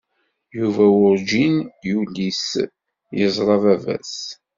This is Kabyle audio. Yuba werǧin yulis yeẓra baba-s.